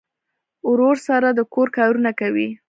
ورور سره د کور کارونه کوي.